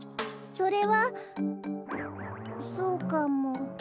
それはそうかも。